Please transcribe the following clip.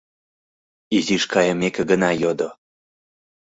Изиш кайымеке гына йодо: